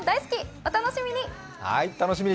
お楽しみに。